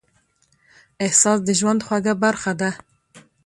احساس د ژوند خوږه برخه ده.